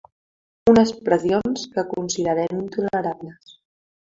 Unes pressions que considerem intolerables.